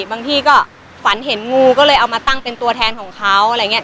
บางทีก็ฝันเห็นงูก็เลยเอามาตั้งเป็นตัวแทนของเขาอะไรอย่างนี้